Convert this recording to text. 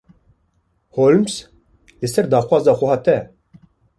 Holmes: Li ser daxwaza xweha te.